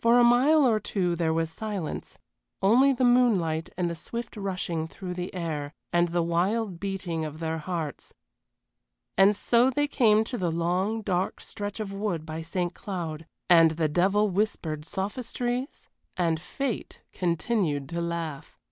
For a mile or two there was silence only the moonlight and the swift rushing through the air, and the wild beating of their hearts. And so they came to the long, dark stretch of wood by St. Cloud. And the devil whispered sophistries and fate continued to laugh.